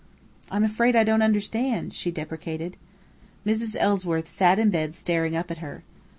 "I'm afraid I don't understand," she deprecated. Mrs. Ellsworth sat in bed staring up at her.